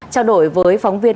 chào đổi với phóng viên